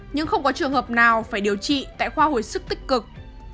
nhưng không có trường hợp nào phải điều trị tại khoa hồi sức tích cực